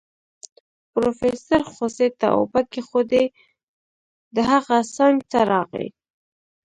پروفيسر خوسي ته اوبه کېښودې د هغه څنګ ته راغی.